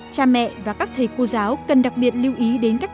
cha mẹ và các thầy cô giáo cần đặc biệt lưu ý đến các